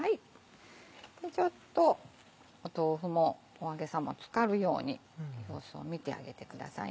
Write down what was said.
ちょっと豆腐もお揚げさんも漬かるように様子を見てあげてください。